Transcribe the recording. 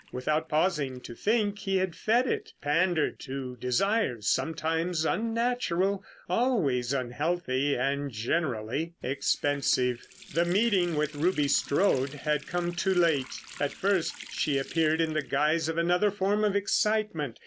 Without pausing to think he had fed it, pandered to desires sometimes unnatural, always unhealthy, and generally expensive. The meeting with Ruby Strode had come too late. At first she appeared in the guise of another form of excitement.